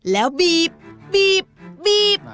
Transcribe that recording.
แล้วบีบบีบบีบ